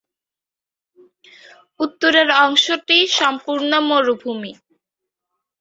উত্তরের অংশটি সম্পূর্ণ মরুভূমি।